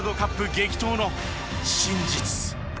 激闘の真実。